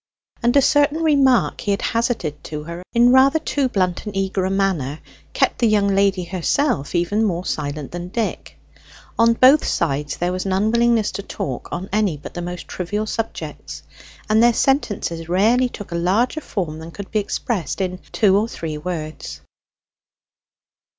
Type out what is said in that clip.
And a certain remark he had hazarded to her, in rather too blunt and eager a manner, kept the young lady herself even more silent than Dick. On both sides there was an unwillingness to talk on any but the most trivial subjects, and their sentences rarely took a larger form than could be expressed in two or three words.